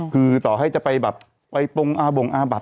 คือต่อให้จะไปเบิร์ทไหว้ป้องอ่าบูงอ่าบาด